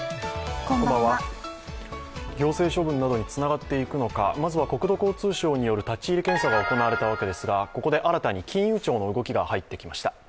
行政処分などにつながっていくのかまずは国土交通省による立ち入り検査が行われたわけですがここで新たに金融庁の動きが入ってきました。